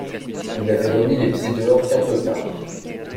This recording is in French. Il n’avait remis les pieds dehors qu’un peu tard.